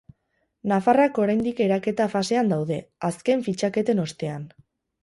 Nafarrak oraindik eraketa fasean daude, azken fitxaketen ostean.